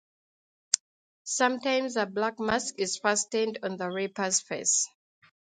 Sometimes a black mask is fastened on the reaper's face.